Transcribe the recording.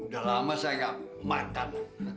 udah lama saya gak mantap